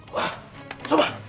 eh ah uzman